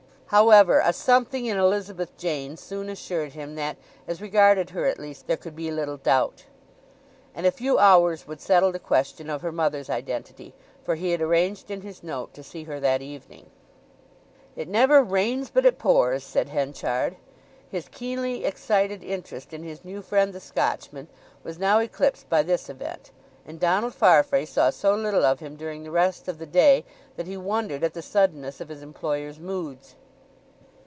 However, a something in Elizabeth Jane soon assured him that, as regarded her, at least, there could be little doubt. And a few hours would settle the question of her mother's identity; for he had arranged in his note to see her that evening. "It never rains but it pours!" said Henchard. His keenly excited interest in his new friend the Scotchman was now eclipsed by this event, and Donald Farfrae saw so little of him during the rest of the day that he wondered at the suddenness of his employer's moods.